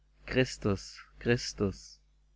'' Christus ! Christus !